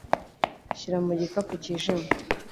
Shyira mu gikapu cyijimye.